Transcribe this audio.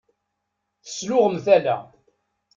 Tesluɣem tala.